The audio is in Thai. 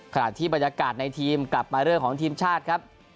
ขณะที่บรรยากาศในทีมกลับมาเรื่องของทีมชาติครับ